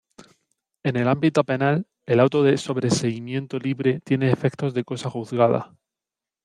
En el ámbito penal, el Auto de sobreseimiento libre tiene efectos de cosa juzgada.